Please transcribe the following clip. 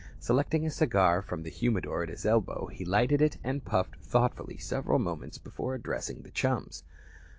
Selecting a cigar from the humidor at his elbow, he lighted it and puffed thoughtfully several moments before addressing the chums.